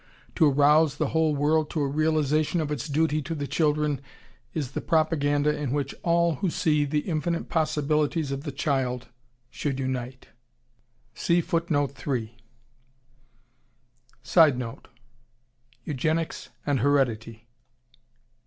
To arouse the whole world to a realization of its duty to the children ... is the propaganda in which all who see the infinite possibilities of the child should unite. [Sidenote: Eugenics and Heredity.